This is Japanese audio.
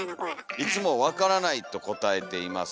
「いつも『分からない』とこたえています。